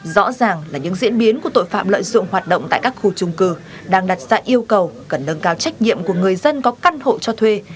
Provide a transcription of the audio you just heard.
rõ ràng là những diễn biến của tội phạm lợi dụng hoạt động tại các khu trung cư đang đặt ra yêu cầu cần nâng cao trách nhiệm của người dân có căn hộ cho thuê